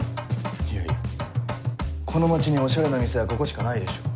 いやいやこの街におしゃれな店はここしかないでしょ。